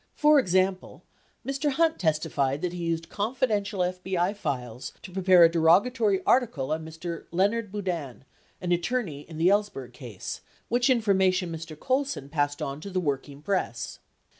For exam ple, Mr. Hunt testified that he used confidential FBI files to prepare a derogatory article on Mr. Leonard Boudin, an attorney in the Ells berg case," which information Mr. Colson passed on to the working press.